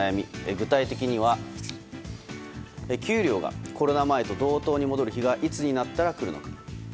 具体的には給料がコロナ前と同等に戻る日がいつになったら来るのか。